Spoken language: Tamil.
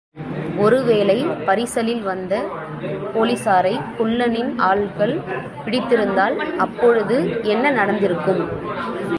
ஒரு வேளை, பரிசலில் வந்த போலீசாரைக் குள்ளனின் ஆள்கள் பிடித்திருந்தால்...... அப்பொழுது என்ன நடந்திருக்கும்?